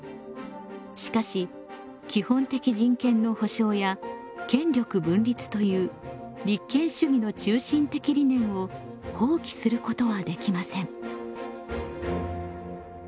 しかし基本的人権の保障や権力分立という立憲主義の中心的理念を放棄することはできません。